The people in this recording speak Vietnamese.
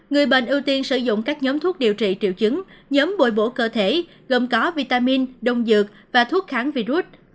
người bệnh ưu tiên sử dụng các nhóm thuốc điều trị triệu chứng nhóm bồi bổ cơ thể gồm có vitamin đông dược và thuốc kháng virus